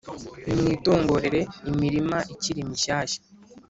Nimwitongorere imirima ikiri mishyashya;